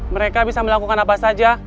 mereka bisa melakukan apa saja